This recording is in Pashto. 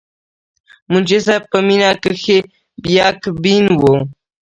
منشي صېب پۀ مينه کښې يک بين وو،